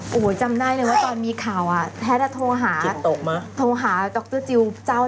เพราะว่าเขาอยู่กับเรามานาน